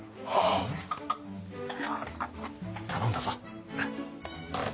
頼んだぞ。